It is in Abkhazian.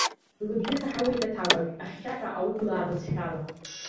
Лыбжьы саҳауеит аҭакәажә, ахьхьаҳәа аублаа бызшәала.